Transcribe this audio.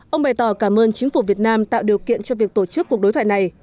ông bày tỏ cảm ơn chính phủ việt nam tạo điều kiện cho việc tổ chức cuộc đối thoại này